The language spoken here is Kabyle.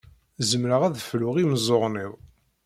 Zemreɣ ad fluɣ imeẓẓuɣen-iw.